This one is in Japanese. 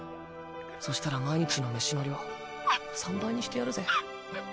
そしたら毎日の飯の量３倍にしてやるぜ。